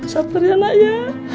sabar ya nak ya